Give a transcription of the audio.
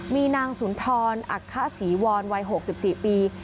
มีนางสุนทรอัคคศรีวรวัย๖๔ปี